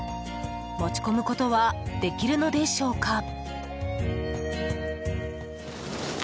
持ち込むことはできるのでしょうか？